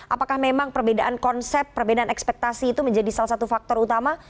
apakah memang perbedaan konsep perbedaan ekspektasi itu menjadi salah satu faktor utama